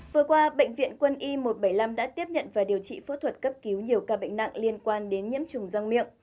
vừa qua bệnh viện quân y một trăm bảy mươi năm đã tiếp nhận và điều trị phẫu thuật cấp cứu nhiều ca bệnh nặng liên quan đến nhiễm trùng răng miệng